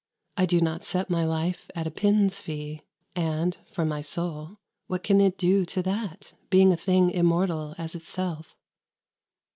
I do not set my life at a pin's fee; And, for my soul, what can it do to that, Being a thing immortal as itself?"